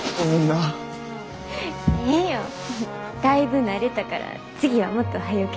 だいぶ慣れたから次はもっとはよ